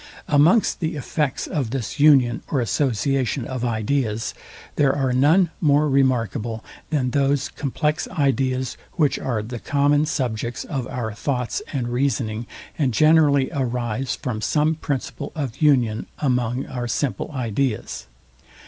Amongst the effects of this union or association of ideas, there are none more remarkable, than those complex ideas, which are the common subjects of our thoughts and reasoning, and generally arise from some principle of union among our simple ideas.